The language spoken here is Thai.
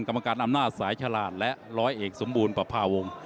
กรรมการอำนาจสายฉลาดและร้อยเอกสมบูรณ์ประพาวงศ์